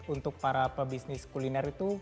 untuk para pebisnis kuliner itu